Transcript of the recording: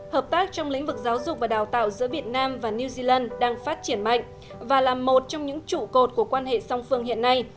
hợp tác trong lĩnh vực giáo dục và đào tạo giữa việt nam và new zealand đang phát triển mạnh và là một trong những trụ cột của quan hệ song phương hiện nay